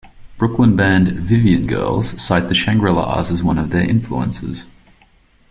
Brooklyn band Vivian Girls cite the Shangri-Las as one of their influences.